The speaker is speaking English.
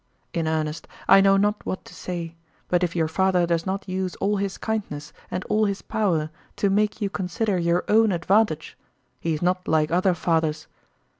In earnest, I know not what to say, but if your father does not use all his kindness and all his power to make you consider your own advantage, he is not like other fathers.